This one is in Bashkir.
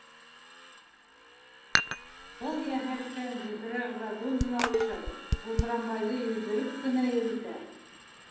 Был йәһәттән Зөһрә Ғибәҙуллина оҡшай, ул трамвайҙы йөҙҙөрөп кенә йөрөтә.